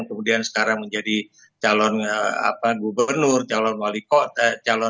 kemudian sekarang menjadi calon gubernur calon wali kota